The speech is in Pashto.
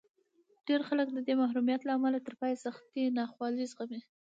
ډېر خلک د دې محرومیت له امله تر پایه سختې ناخوالې زغمي